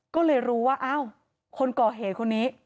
ก็เลยรู้ว่าอ้าวคนก่อเหตุคนนี้